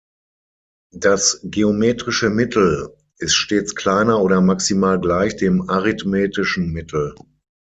Das "geometrische Mittel" ist stets kleiner oder maximal gleich dem arithmetischen Mittel.